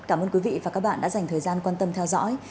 cảm ơn quý vị và các bạn đã dành thời gian quan tâm theo dõi